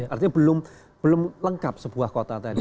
artinya belum lengkap sebuah kota tadi